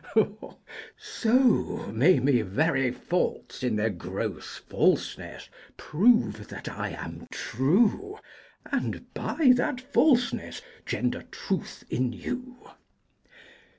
So may my very faults In their gross falseness prove that I am true, And by that falseness gender truth in you.